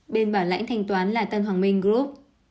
bên bảo lãnh thanh toán là tân hoàng minh group